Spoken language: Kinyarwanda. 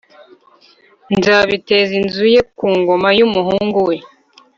nzabiteza inzu ye ku ngoma y umuhungu we